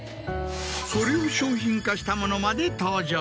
それを商品化したものまで登場。